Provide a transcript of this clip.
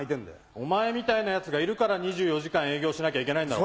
お前みたいなヤツがいるから２４時間営業しなきゃいけないんだろ。